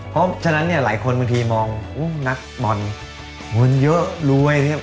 เพราะฉะนั้นหลายคนบางทีมองนักบอลเยอะรวย